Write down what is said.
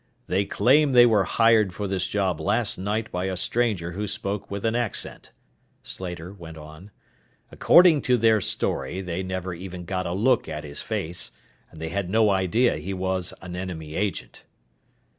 "They claim they were hired for this job last night by a stranger who spoke with an accent," Slater went on. "According to their story, they never even got a look at his face, and they had no idea he was an enemy agent."